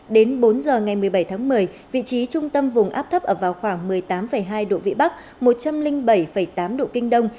đến bốn giờ ngày một mươi bảy tháng một mươi vị trí trung tâm vùng áp thấp ở vào khoảng một mươi tám hai độ vĩ bắc một trăm linh bảy tám độ kinh đông